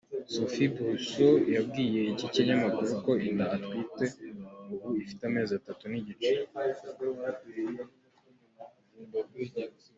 Sophie Brussaux yabwiye iki kinyamakuru ko inda atwite ubu ifite amezi atatu n’igice.